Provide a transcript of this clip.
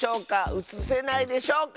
うつせないでしょうか？